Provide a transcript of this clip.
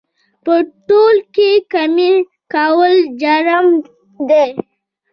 په تول کې کمي کول جرم دی